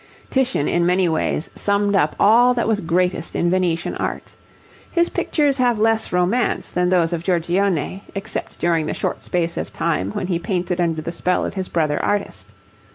Titian in many ways summed up all that was greatest in Venetian art. His pictures have less romance than those of Giorgione, except during the short space of time when he painted under the spell of his brother artist.